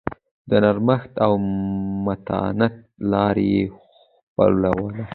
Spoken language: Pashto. د نرمښت او متانت لار یې خپلوله.